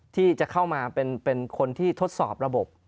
ที่จะเข้ามาเป็นคนที่ทดสอบระบบ